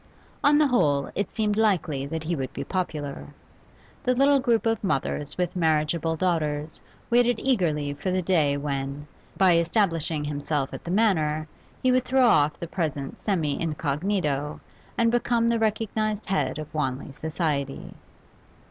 On the whole it seemed likely that he would be popular. The little group of mothers with marriageable daughters waited eagerly for the day when, by establishing himself at the Manor, he would throw off the present semi incognito, and become the recognised head of Wanley society.